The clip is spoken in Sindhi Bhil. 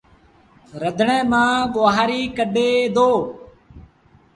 رڌڻي مآݩ ٻوهآريٚ ڪڍي دو۔